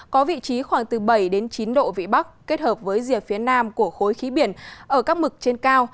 có vị trí khoảng từ bảy đến chín độ vị bắc kết hợp với rìa phía nam của khối khí biển ở các mực trên cao